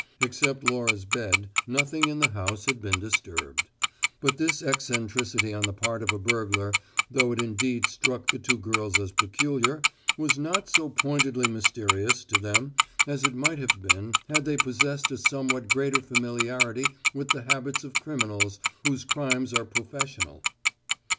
Except Laura's bed, nothing in the house had been disturbed; but this eccentricity on the part of a burglar, though it indeed struck the two girls as peculiar, was not so pointedly mysterious to them as it might have been had they possessed a somewhat greater familiarity with the habits of criminals whose crimes are professional.